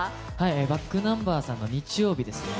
ｂａｃｋｎｕｍｂｅｒさんの「日曜日」ですね。